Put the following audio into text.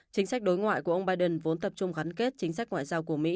chính sách đối ngoại của ông biden vốn tập trung gắn kết chính sách ngoại giao của mỹ